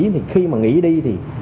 thì khi mà nghỉ đi thì